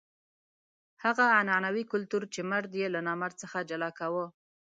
هغه عنعنوي کلتور چې مرد یې له نامرد څخه جلا کاوه.